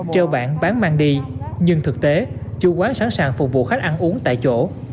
treo bản bán mang đi nhưng thực tế chú quán sẵn sàng phục vụ khách ăn uống tại chỗ